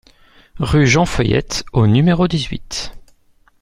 Rue Jean Feuillette au numéro dix-huit